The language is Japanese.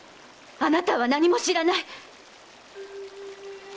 あなたは何も知らない！